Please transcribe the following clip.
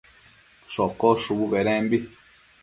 shocosh shubu bedembi